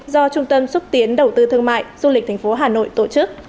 do trung tâm xúc tiến đầu tư thương mại du lịch thành phố hà nội tổ chức